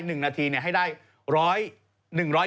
หนึ่งนาทีให้ได้ร้อย